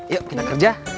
yuk kita kerja